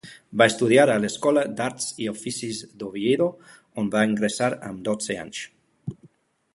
Va estudiar a l'Escola d'Arts i Oficis d'Oviedo, on va ingressar amb dotze anys.